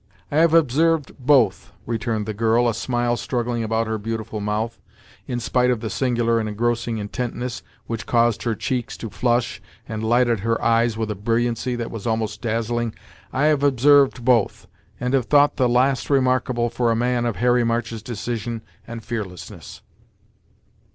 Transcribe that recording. "I have observed both," returned the girl, a smile struggling about her beautiful mouth, in spite of the singular and engrossing intentness which caused her cheeks to flush and lighted her eyes with a brilliancy that was almost dazzling "I have observed both, and have thought the last remarkable for a man of Harry March's decision and fearlessness."